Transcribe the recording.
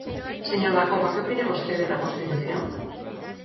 Señor Dacova, ¿que opina vostede da Constitución?